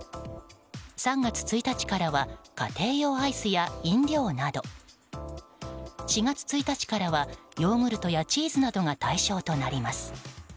３月１日からは家庭用アイスや飲料など４月１日からはヨーグルトやチーズなどが対象となります。